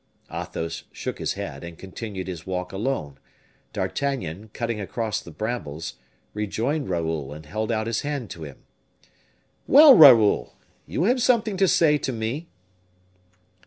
Athos shook his head, and continued his walk alone, D'Artagnan, cutting across the brambles, rejoined Raoul and held out his hand to him. "Well, Raoul! You have something to say to me?"